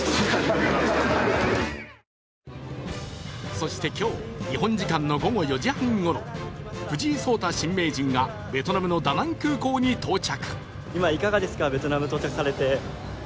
そして今日、日本時間の午後４時半ごろ、藤井聡太新名人がベトナムのダナン空港に到着。